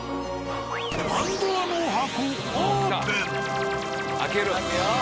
パンドラの箱オープン！